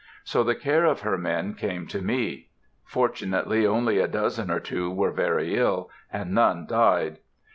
So the care of her men came to me. Fortunately only a dozen or two were very ill, and none died.